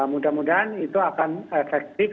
mudah mudahan itu akan efektif